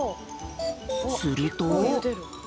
すると。